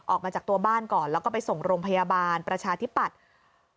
ออกมาจากตัวบ้านก่อนแล้วก็ไปส่งโรงพยาบาลประชาธิปัตย์